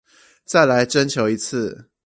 再來徵求一次